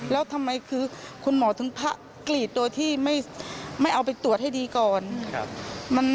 แล้วทำไมคือคุณหมอถึงพระกรีดโดยที่ไม่เอาไปตรวจให้ดีก่อน